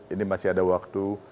ini masih ada waktu